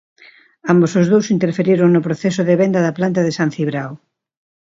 Ambos os dous interferiron no proceso de venda da planta de San Cibrao.